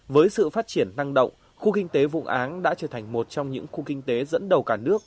với sự phát triển năng động khu kinh tế vụ án đã trở thành một trong những khu kinh tế dẫn đầu cả nước